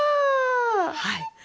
はい。